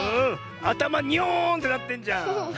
あたまニョーンってなってんじゃん。